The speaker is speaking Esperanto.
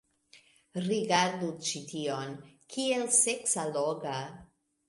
Rigardu ĉi tion. Kiel seksalloga.